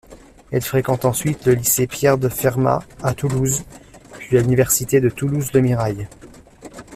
Elle fréquente ensuite le lycée Pierre-de-Fermat à Toulouse, puis à l'Université de Toulouse-Le Mirail.